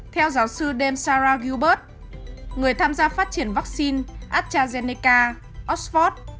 theo giáo sư demsara gilbert người tham gia phát triển vaccine astrazeneca oxford